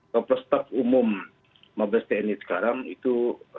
kepala staff umum mabes tni sekarang itu